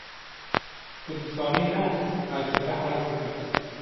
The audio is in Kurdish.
Tu dizanî ne, ez ji te hez dikim.